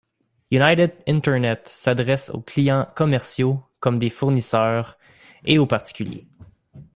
United Internet s'adresse aux clients commerciaux comme des fournisseurs, et aux particuliers.